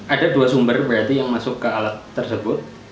ada dua sumber berarti yang masuk ke alat tersebut